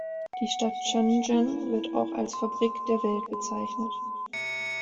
Die Stadt Shenzhen wird auch als „Fabrik der Welt“ bezeichnet.